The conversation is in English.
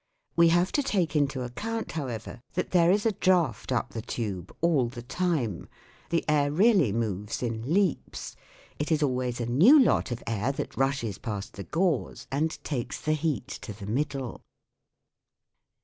We have to take into account, however, that there is a draught up the tube all the time ; the air really moves in leaps : it is always a new lot of air that rushes past the gauze and takes the heat to the middle.